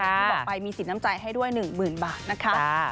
ที่บอกไปมีสินน้ำใจให้ด้วย๑๐๐๐บาทนะคะ